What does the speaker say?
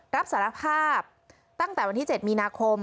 รับสารภาพตั้งแต่วันที่๗มีนาคม